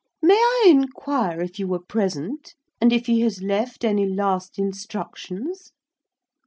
May I inquire if you were present, and if he has left any last instructions?"